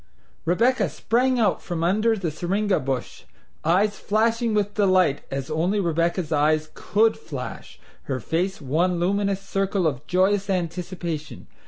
Rebecca sprang out from under the syringa bush, eyes flashing with delight as only Rebecca's eyes COULD flash, her face one luminous circle of joyous anticipation.